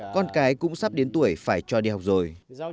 con cái cũng sắp đến tuổi phải cho đi học rồi